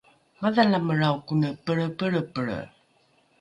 madhalamelrao kone pelrepelrepelre